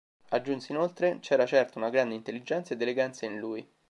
Aggiunse inoltre: "C'era certo una grande intelligenza ed eleganza in lui".